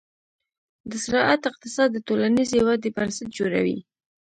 د زراعت اقتصاد د ټولنیزې ودې بنسټ جوړوي.